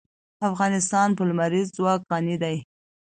افغانستان په لمریز ځواک غني دی.